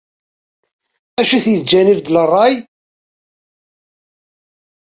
Acu i t-yeǧǧan ibeddel rray?